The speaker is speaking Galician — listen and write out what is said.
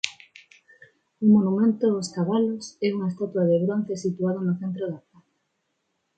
O monumento Os cabalos é unha estatua de bronce situada no centro da praza.